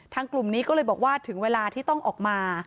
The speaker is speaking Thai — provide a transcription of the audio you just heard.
กลุ่มนี้ก็เลยบอกว่าถึงเวลาที่ต้องออกมา